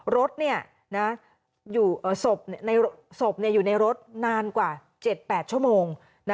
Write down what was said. รถศพอยู่ในรถนานกว่า๗๘ชั่วโมง